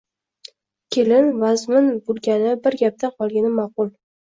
Kelin og‘ir-vazmin bo‘lgani, bir gapdan qolgani ma’qul.